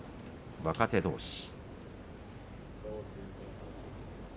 若手どうし。